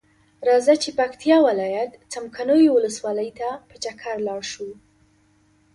راځۀ چې پکتیا ولایت څمکنیو ولسوالۍ ته په چکر لاړشو.